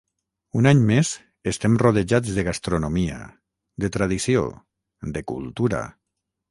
Un any més estem rodejats de gastronomia, de tradició, de cultura.